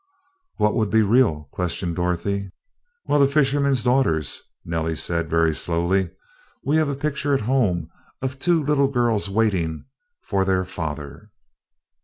"What would be real?', questioned Dorothy. "Well, the Fisherman's Daughters," Nellie said, very slowly. "We have a picture at home of two little girls waiting for their father."